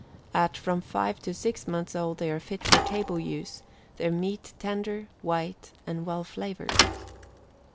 At from five to six months old they are fit for table use, their meat white, tender, and well flavored.